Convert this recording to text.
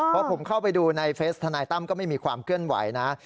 พอผมเข้าไปดูในเฟสธนายตั้มก็ไม่มีความเคลื่อนไหวนะ